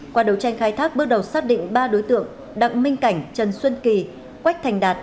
qua đấu tranh khai thác bước đầu xác định ba đối tượng đặng minh cảnh trần xuân kỳ quách thành đạt